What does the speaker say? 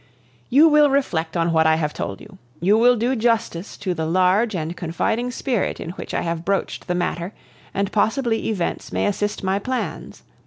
"You will reflect on what I have told you; you will do justice to the large and confiding spirit in which I have broached the matter, and possibly events may assist my plans.